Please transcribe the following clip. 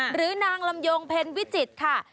หรือนางลำยงเพ็ญวิจิตรค่ะ